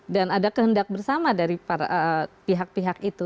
dan ada kehendak bersama dari pihak pihak itu